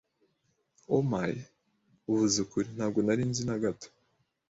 Oh my, uvuze ukuri, ntabwo nari nzi na gato.